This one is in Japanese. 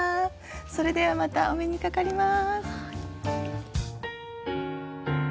それではまたお目にかかります。